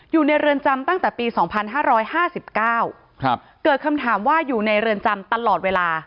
อยู่ในเรือนจำตั้งแต่ปี๒๕๕๙เกิดคำถามว่าอยู่ในเรือนจำตลอดเวลา